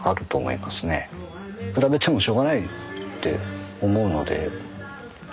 比べてもしょうがないって思うので。